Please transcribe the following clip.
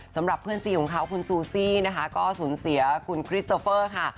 สำหรับเพื่อนซีของเขาคุณซูซี่นะคะก็สูญเสียคุณคริสเตอร์เฟอร์ค่ะ